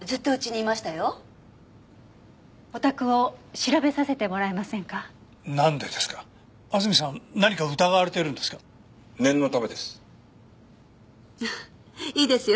いいですよ。